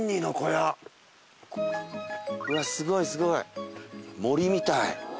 すごいすごい森みたい。